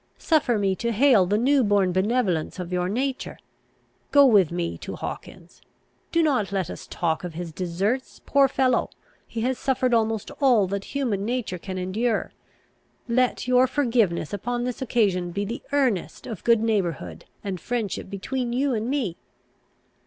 Suffer me to hail the new born benevolence of your nature. Go with me to Hawkins. Do not let us talk of his deserts! Poor fellow! he has suffered almost all that human nature can endure. Let your forgiveness upon this occasion be the earnest of good neighbourhood and friendship between you and me."